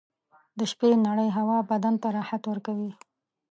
• د شپې نرۍ هوا بدن ته راحت ورکوي.